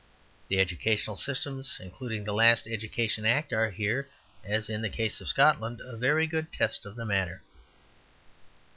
The educational systems, including the last Education Act, are here, as in the case of Scotland, a very good test of the matter.